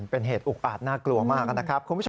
เป็นเหตุอุปาดน่ากลัวมากนะครับ